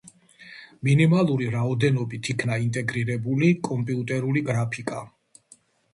მინიმალური რაოდენობით იქნა ინტეგრირებული კომპიუტერული გრაფიკა.